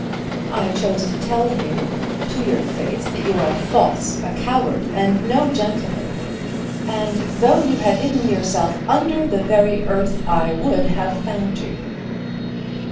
I chose to tell you to your face that you are false, a coward, and no gentleman, and though you had hidden yourself under the very earth I would have found you."